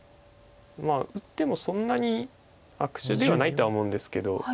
まあいってもそんなに悪手ではないとは思うんですけど。